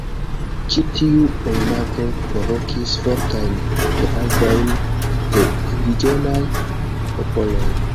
Ĉi tiu rimarko provokis fortajn reagojn de indiĝenaj popoloj.